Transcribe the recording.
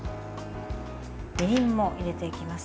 みりんも入れていきます。